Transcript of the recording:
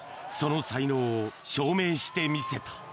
その才能を証明して見せた。